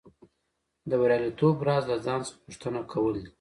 د بریالیتوب راز له ځان څخه پوښتنه کول دي